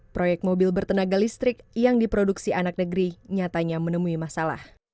proyek mobil bertenaga listrik yang diproduksi anak negeri nyatanya menemui masalah